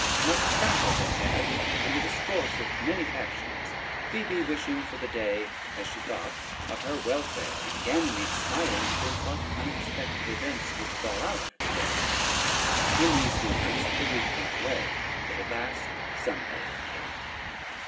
Much prattle they had, and the discourse of many passions, Phoebe wishing for the day, as she thought, of her welfare, and Ganymede smiling to think what unexpected events would fall out at the wedding. In these humors the week went away, that at last Sunday came.